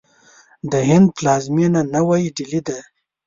د هند پلازمینه نوی ډهلي ده.